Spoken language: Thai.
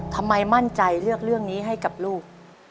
ทำไมมั่นใจเลือกเรื่องนี้ให้กับลูก